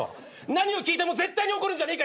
何を聞いても絶対に怒るんじゃねえ。